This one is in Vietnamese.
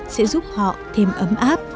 sẽ giúp họ thêm ấm áp